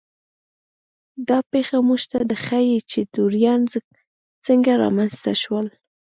دا پېښه موږ ته ښيي چې توریان څنګه رامنځته شول.